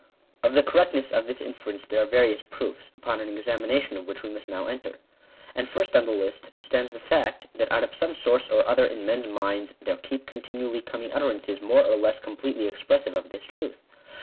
Of the correctness of this inference there are various proofs, upon an examination of which we must now enter. And first on the list stands the fact, that, out of some source or other in men's minds, there keep continually coming utterances more or less completely expressive of this truth.